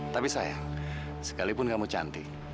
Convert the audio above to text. tapi sayang sekalipun kamu cantik